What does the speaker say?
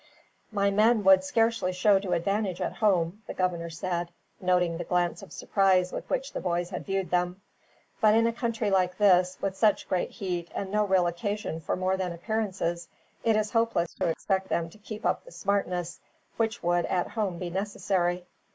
"My men would scarcely show to advantage at home," the governor said, noting the glance of surprise with which the boys had viewed them. "But in a country like this, with such great heat and no real occasion for more than appearances, it is hopeless to expect them to keep up the smartness which would, at home, be necessary.